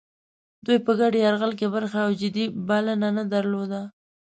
دوی په ګډ یرغل کې برخه او جدي بلنه نه درلوده.